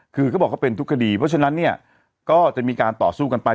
คือเขาบอกเขาเป็นทุกคดีเพราะฉะนั้นเนี่ยก็จะมีการต่อสู้กันไป